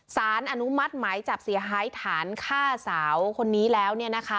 สารอนุมัติหมายจับเสียหายฐานฆ่าสาวคนนี้แล้ว